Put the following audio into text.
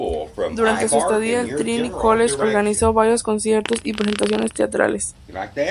Durante su estadía en el Trinity College, organizó varios conciertos y presentaciones teatrales.